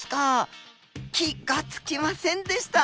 気が付きませんでした。